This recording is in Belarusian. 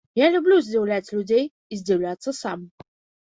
Я люблю здзіўляць людзей і здзіўляцца сам.